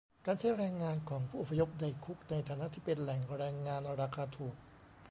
การใช้แรงงานของผู้อพยพในคุกในฐานะที่เป็นแหล่งแรงงานราคาถูก